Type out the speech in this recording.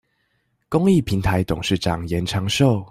公益平臺董事長嚴長壽